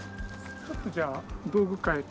ちょっとじゃあ道具変えて。